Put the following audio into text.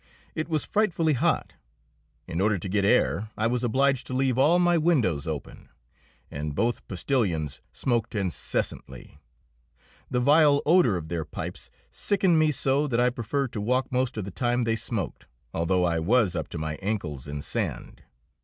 It was frightfully hot. In order to get air I was obliged to leave all my windows open, and both postilions smoked incessantly; the vile odour of their pipes sickened me so that I preferred to walk most of the time they smoked, although I was up to my ankles in sand.